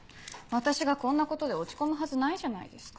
私がこんなことで落ち込むはずないじゃないですか。